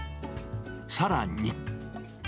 さらに。